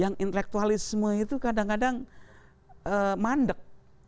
yang intelektualisme itu kadang kadang mandek